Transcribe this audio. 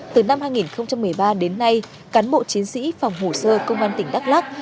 từ năm hai nghìn một mươi ba đến nay cán bộ chiến sĩ phòng hồ sơ công an tỉnh đắk lắc